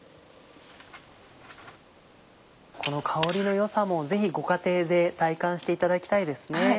この香りの良さもぜひご家庭で体感していただきたいですね。